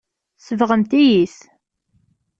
Tsebɣemt-iyi-t.